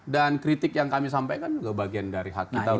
dan kritik yang kami sampaikan juga bagian dari hak kita untuk menyampaikan itu